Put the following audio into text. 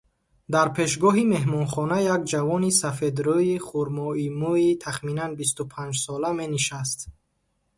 Дар пешгоҳи меҳмонхона як ҷавони сафедрӯи хурмоимӯи тахминан бисту панҷсола менишаст.